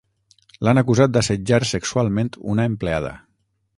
L'han acusat d'assetjar sexualment una empleada.